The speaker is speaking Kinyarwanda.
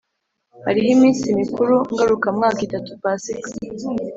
Hariho iminsi mikuru ngarukamwaka itatu, Pasika,